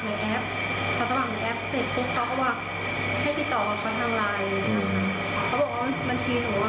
เขาบอกว่าบัญชีผมว่า